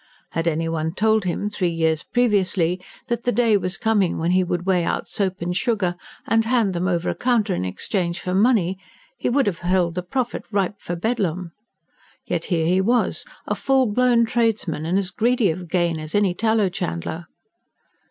Had anyone told him, three years previously, that the day was coming when he would weigh out soap and sugar, and hand them over a counter in exchange for money, he would have held the prophet ripe for Bedlam. Yet here he was, a full blown tradesman, and as greedy of gain as any tallow chandler.